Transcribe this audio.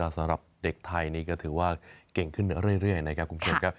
สำหรับเด็กไทยนี่ก็ถือว่าเก่งขึ้นเรื่อยนะครับคุณผู้ชมครับ